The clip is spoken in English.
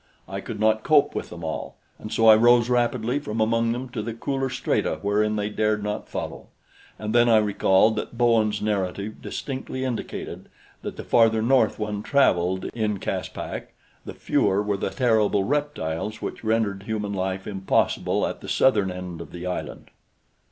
I could not cope with them all, and so I rose rapidly from among them to the cooler strata wherein they dared not follow; and then I recalled that Bowen's narrative distinctly indicated that the farther north one traveled in Caspak, the fewer were the terrible reptiles which rendered human life impossible at the southern end of the island.